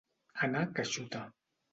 Anar que xuta.